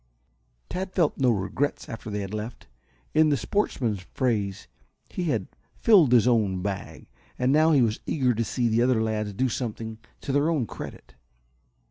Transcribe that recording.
Tad felt no regrets after they had left. In the sportsman's phrase he had "filled his own bag," and now he was eager to see the other lads do something to their own credit.